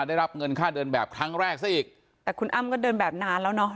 ได้รับเงินค่าเดินแบบครั้งแรกซะอีกแต่คุณอ้ำก็เดินแบบนานแล้วเนอะ